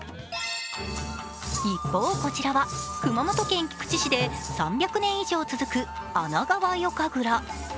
一方、こちらは熊本県菊池市で３００年以上続く、穴川夜神楽。